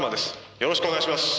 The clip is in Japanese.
よろしくお願いします。